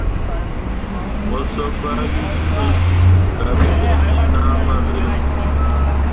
Mo sob fahlii nyi me ka me ga eẽ nahma be ɗə.